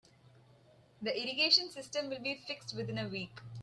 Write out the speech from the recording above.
The irrigation system will be fixed within a week.